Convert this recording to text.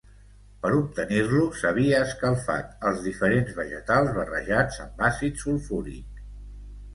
Per obtenir-lo, s’havia escalfat els diferents vegetals barrejats amb àcid sulfúric.